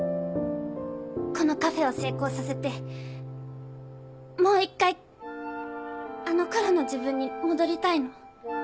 このカフェを成功させてもう一回あの頃の自分に戻りたいの。